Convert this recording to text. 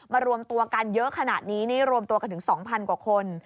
รวมตัวกันเยอะขนาดนี้นี่รวมตัวกันถึง๒๐๐กว่าคน